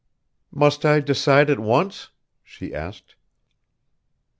"Must I decide at once?" she asked.